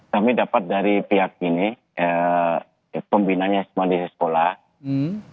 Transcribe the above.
kami dapat dari pihak ini pembinanya semua di sekolah